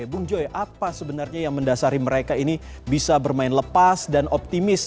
bung joy apa sebenarnya yang mendasari mereka ini bisa bermain lepas dan optimis